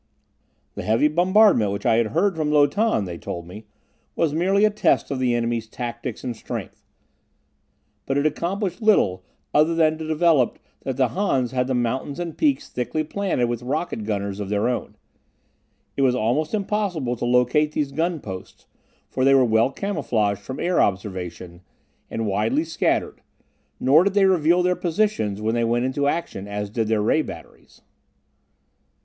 The heavy bombardment which I had heard from Lo Tan, they told me, was merely a test of the enemy's tactics and strength, but it accomplished little other than to develop that the Hans had the mountains and peaks thickly planted with rocket gunners of their own. It was almost impossible to locate these gun posts, for they were well camouflaged from air observation, and widely scattered; nor did they reveal their positions when they went into action as did their ray batteries.